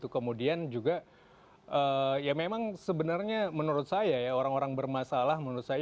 kemudian juga ya memang sebenarnya menurut saya ya orang orang bermasalah menurut saya